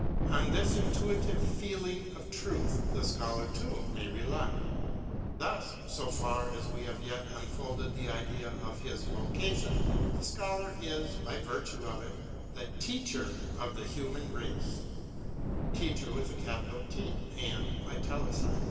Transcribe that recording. On this intuitive feeling of truth the Scholar too may rely. — Thus, so far as we have yet unfolded the idea of his vocation, the Scholar is, by virtue of it, the Teacher of the human race.